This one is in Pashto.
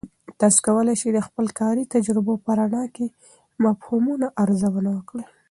تاسې کولای سئ د خپل کاري تجربو په رڼا کې مفهومونه ارزونه وکړئ.